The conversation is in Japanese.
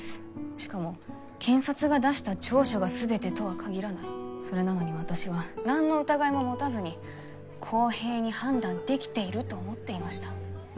しかも検察が出した調書が全てとは限らないそれなのに私は何の疑いも持たずに公平に判断できていると思っていました